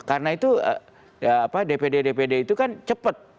karena itu dpd dpd itu kan cepet